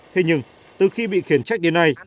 thế nhưng từ khi bị khiến trách đến nay